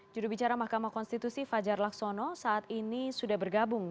jurubicara mahkamah konstitusi fajar laksono saat ini sudah bergabung